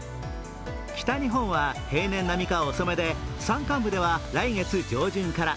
北日本は平年並みか遅めで山間部では来月上旬から。